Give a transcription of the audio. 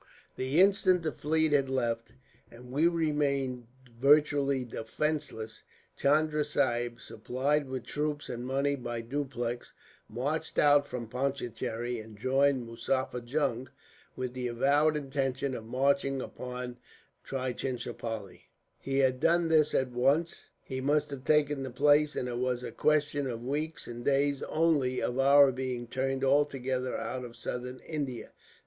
"The instant the fleet had left, and we remained virtually defenceless, Chunda Sahib, supplied with troops and money by Dupleix, marched out from Pondicherry and joined Muzaffar Jung, with the avowed intention of marching upon Trichinopoli. Had he done this at once, he must have taken the place, and it was a question of weeks and days only of our being turned altogether out of Southern India.